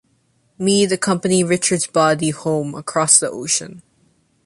Mead accompanied Richards's body home across the ocean.